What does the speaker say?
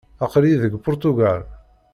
Aql-iyi deg Puṛtugal.